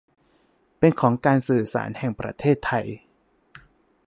เป็นของการสื่อสารแห่งประเทศไทย